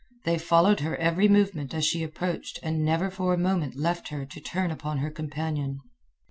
They followed her every movement as she approached and never for a moment left her to turn upon her companion.